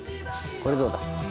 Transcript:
これどうだ？